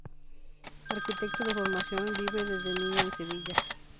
Arquitecto de formación, vive desde niño en Sevilla.